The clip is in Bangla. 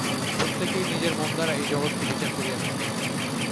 প্রত্যেকেই নিজের মন দ্বারা এই জগৎকে বিচার করিয়া থাকে।